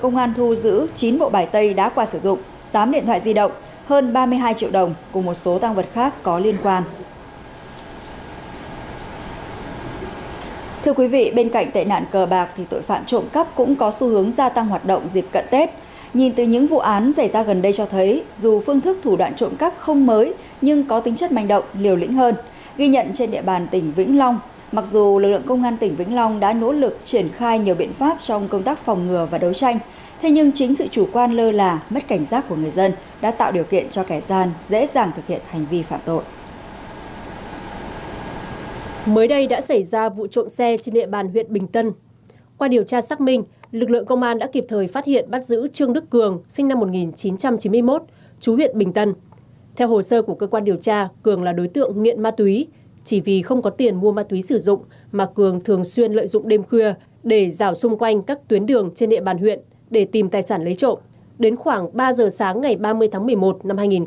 công an huyện sơn sơn sơn tỉnh sơn sơn tỉnh sơn sơn tỉnh sơn sơn tỉnh sơn sơn tỉnh sơn sơn tỉnh sơn sơn tỉnh sơn sơn tỉnh sơn sơn tỉnh sơn sơn tỉnh sơn sơn tỉnh sơn sơn tỉnh sơn sơn tỉnh sơn sơn tỉnh sơn sơn tỉnh sơn sơn tỉnh sơn sơn tỉnh sơn sơn tỉnh sơn sơn tỉnh sơn sơn tỉnh sơn sơn tỉnh sơn sơn tỉnh sơn sơn tỉnh sơn sơn tỉnh sơn sơn tỉnh sơn sơn tỉnh sơn sơn